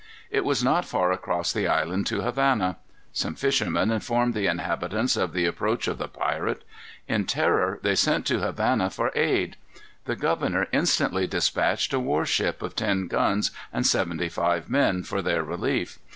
It was not far across the island to Havana. Some fishermen informed the inhabitants of the approach of the pirate. In terror they sent to Havana for aid. The governor instantly dispatched a war ship, of ten guns and seventy five men, for their relief.